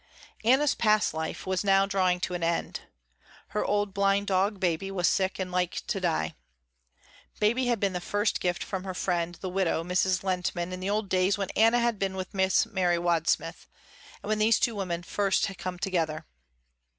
Anna's past life was now drawing to an end. Her old blind dog, Baby, was sick and like to die. Baby had been the first gift from her friend the widow, Mrs. Lehntman in the old days when Anna had been with Miss Mary Wadsmith, and when these two women had first come together.